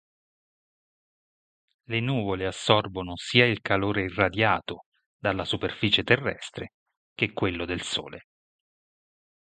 Le nuvole assorbono sia il calore irradiato dalla superficie terrestre che quello del Sole.